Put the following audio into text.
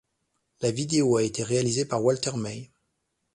La vidéo a été réalisée par Walter May.